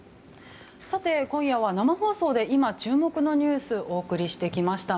今夜は生放送で今、注目のニュースをお送りしてきました。